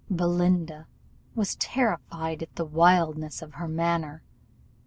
Belinda was terrified at the wildness of her manner.